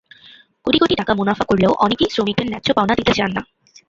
কোটি কোটি টাকা মুনাফা করলেও অনেকেই শ্রমিকদের ন্যায্য পাওনা দিতে চান না।